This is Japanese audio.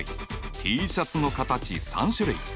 Ｔシャツの形３種類。